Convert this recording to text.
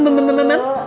jalan jalan dari mana